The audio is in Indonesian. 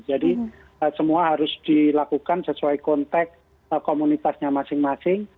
jadi semua harus dilakukan sesuai konteks komunitasnya masing masing